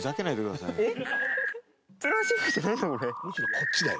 「むしろこっちだよ。